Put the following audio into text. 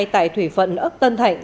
tại thủy phận ấc tân thạnh